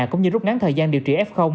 cũng như rút ngắn thời gian điều trị f